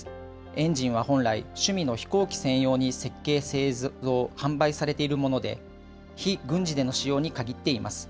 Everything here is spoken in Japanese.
エンジンは本来、趣味の飛行機専用に設計、製造、販売されているもので、非軍事での使用に限っています。